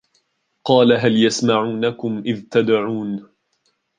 قالَ هَل يَسمَعونَكُم إِذ تَدعونَ